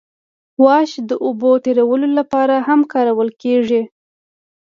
واش د اوبو تیرولو لپاره هم کارول کیږي